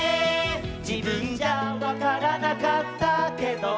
「じぶんじゃわからなかったけど」